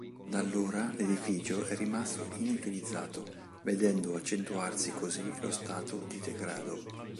Da allora l'edificio è rimasto inutilizzato vedendo accentuarsi così lo stato di degrado.